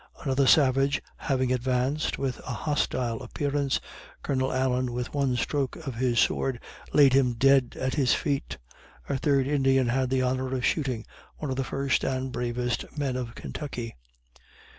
Another savage having advanced with a hostile appearance, Colonel Allen, with one stroke of his sword, laid him dead at his feet. A third Indian had the honor of shooting one of the first and bravest men of Kentucky.